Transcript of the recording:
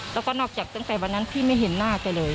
แล้วก็นอกจากตั้งแต่วันนั้นพี่ไม่เห็นหน้าแกเลย